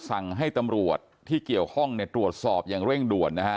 สั่งให้ตำรวจที่เกี่ยวข้องเนี่ยตรวจสอบอย่างเร่งด่วนนะฮะ